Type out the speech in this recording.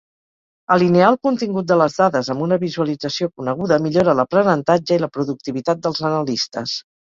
Alinear el contingut de les dades amb una visualització coneguda millora l'aprenentatge i la productivitat dels analistes.